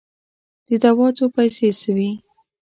د دوا څو پیسې سوې؟